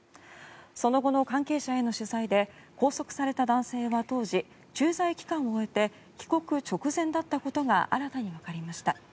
その後の関係者への取材で拘束された男性は当時、駐在期間を終えて帰国直前だったことが新たにわかりました。